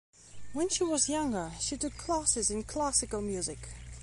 When she was younger, she took classes in classical music.